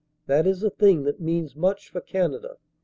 That is a thing that means much for Canada.